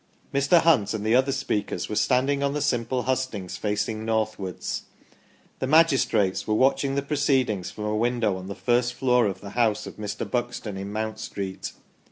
Mr. Hunt and the other speakers were standing on the simple hustings facing northwards. The magistrates were watching the pro ceedings from a window on the first floor of the house of Mr. Buxton in Mount Street.